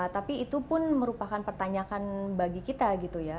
tapi itu pun merupakan pertanyakan bagi kita gitu ya